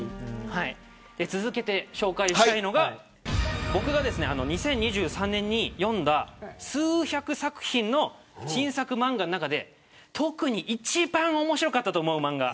続けて紹介したいのが僕が２０２３年に読んだ数百作品の新作漫画の中で特に一番面白かったと思う漫画。